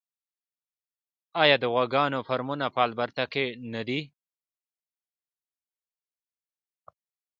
آیا د غواګانو فارمونه په البرټا کې نه دي؟